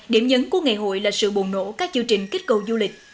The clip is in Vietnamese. điểm nhấn của ngày hội là sự bồn nổ các chư trình kích cầu du lịch